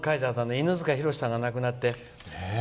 犬塚弘さんが亡くなって。